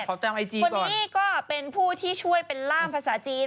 ไอจีคนนี้ก็เป็นผู้ที่ช่วยเป็นล่ามภาษาจีน